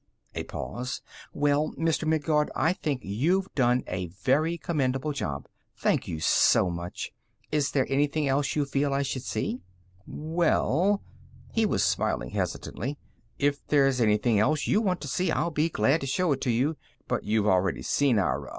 A pause. "Well, Mr. Midguard, I think you've done a very commendable job. Thank you so much. Is there anything else you feel I should see?" "Well " He was smilingly hesitant. "If there's anything else you want to see, I'll be glad to show it to you. But you've already seen our